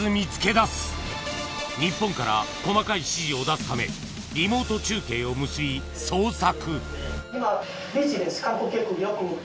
日本から細かい指示を出すためリモート中継を結び捜索